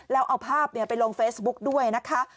แล้วเอาภาพไปลงเฟซบุ๊กด้วยนะคะ